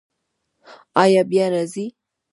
ایا بیا راځئ؟